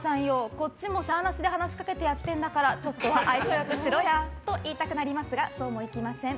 こっちもしゃーなしで話しかけてやってんだからちょっとは愛想良くしろや！と言いたくなりますがそうもいきません。